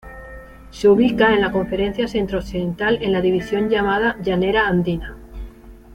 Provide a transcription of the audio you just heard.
Se ubica en la Conferencia Centro Occidental en la división llamada Llanera Andina.